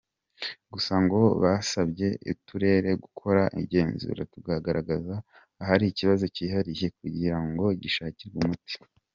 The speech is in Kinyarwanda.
Gusa ngo basabye uturere gukora igenzura tukagaragaza ahari ikibazo cyihariye kugira ngo gishakirwe umuti.